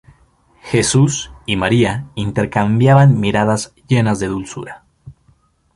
Jesús y María intercambian miradas llenas de dulzura.